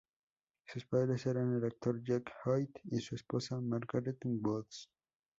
Sus padres eran el actor Jack Holt y su esposa, Margaret Woods.